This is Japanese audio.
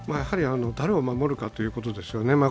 誰を守るかということですよね。